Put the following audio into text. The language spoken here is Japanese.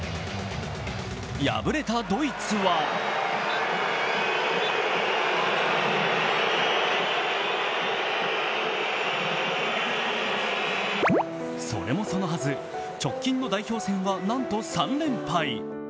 敗れたドイツはそれもそのはず直近の代表戦は３連敗。